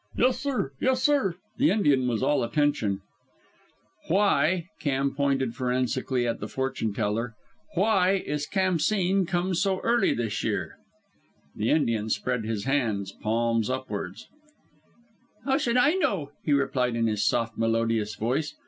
"Yes, sir, yes, sir!" The Indian was all attention. "Why" Cairn pointed forensically at the fortune teller "why is Khamsîn come so early this year?" The Indian spread his hands, palms upward. "How should I know?" he replied in his soft, melodious voice.